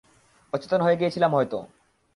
অচেতন হয়ে গিয়েছিলাম হয়তো!